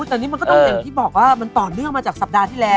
แต่นี่มันก็ต้องอย่างที่บอกว่ามันต่อเนื่องมาจากสัปดาห์ที่แล้ว